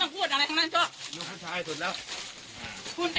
น้องคุ้นเป็นบ้านปลาคะละนักข่าว